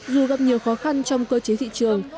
dù gặp nhiều khó khăn trong cơ chế thị trường